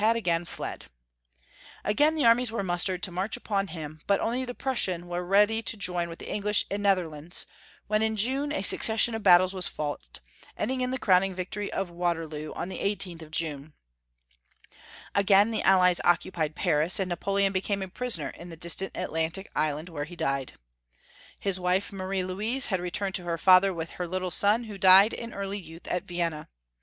had again fled. Again the armies were mustered to march upon him, but only the Prussian was ready to join with the English in the Netherlands, where in June a succession of battles was fought, endmg in the crowning victory of Waterloo on the 18th of June. Again the Allies occupied Paris, and Napoleon be came a prisoner in the distant Atlantic island where he died. His wife, Marie Louise, had re turned to her father with her little son, who died in early youth at Vienna. The Congress returned to its task at Vienna.